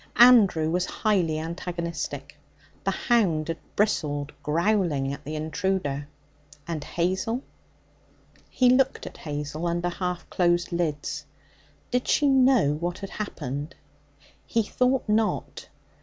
Andrew was highly antagonistic. The hound had bristled, growling, at the intruder; and Hazel ? He looked at Hazel under half closed lids. Did she know what had happened? He thought not.